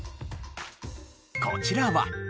こちらは。